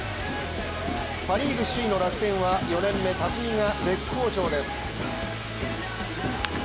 パ・リーグ首位の楽天は４年目、辰己が絶好調です。